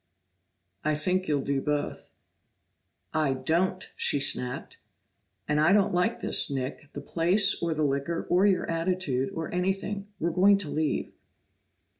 "I think you'll do both." "I don't!" she snapped. "And I don't like this, Nick the place, or the liquor, or your attitude, or anything. We're going to leave!"